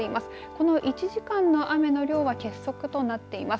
この１時間の雨の量は欠測となっています。